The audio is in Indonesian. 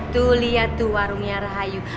tuh lihat tuh warungnya rahayu